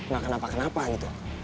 gak kenapa kenapa gitu